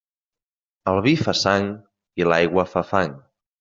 El vi fa sang i l'aigua fa fang.